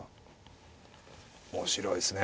面白いですね。